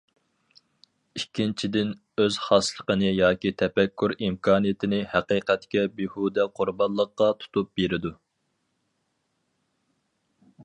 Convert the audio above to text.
ئىككىنچىدىن، ئۆز خاسلىقىنى ياكى تەپەككۇر ئىمكانىيىتىنى ھەقىقەتكە بىھۇدە قۇربانلىققا تۇتۇپ بېرىدۇ.